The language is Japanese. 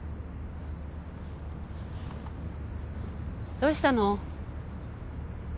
どうしたの？